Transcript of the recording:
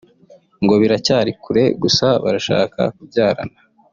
ngo biracyari kure gusa barashaka kubyarana